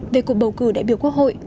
về cuộc bầu cử đại biểu quốc hội